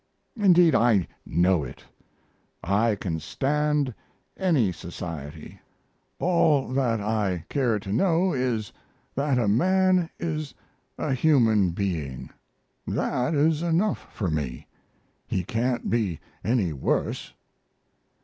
Indeed I know it. I can stand any society. All that I care to know is that a man is a human being, that is enough for me; he can't be any worse.